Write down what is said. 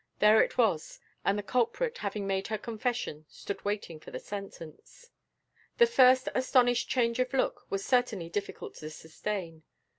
There it was: and the culprit, having made her confession, stood waiting for the sentence. The first astonished change of look, was certainly difficult to sustain.